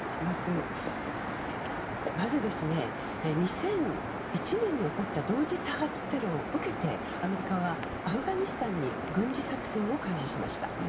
まず、２００１年に起こった同時多発テロを受けてアメリカはアフガニスタンに軍事作戦を開始しました。